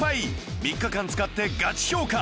３日間使ってガチ評価